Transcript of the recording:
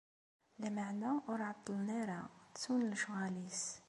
Lameɛna ur ɛeṭṭlen ara, ttun lecɣal-is.